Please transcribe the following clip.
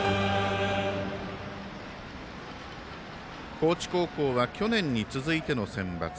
高知高校は去年に続いてのセンバツ。